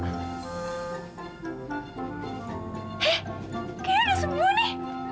aku bisa membunuhnya